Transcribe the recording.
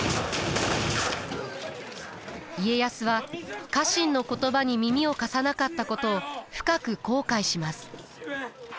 家康は家臣の言葉に耳を貸さなかったことを深く後悔します。